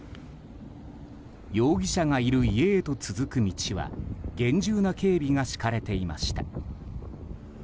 容疑者がいる家へと続く道は厳重な警備が敷かれていました。